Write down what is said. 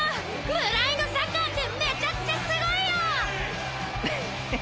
ブラインドサッカーってめちゃくちゃすごいよ。へへ。